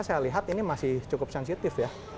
saya lihat ini masih cukup sensitif ya